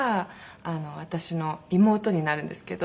私の妹になるんですけど。